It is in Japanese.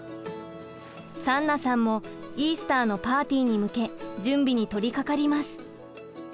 サンナさんもイースターのパーティーに向け準備に取りかかります。